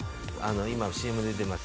今ＣＭ出てます